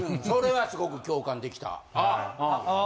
それはすごく共感できた。